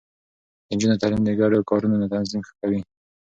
د نجونو تعليم د ګډو کارونو نظم ښه کوي.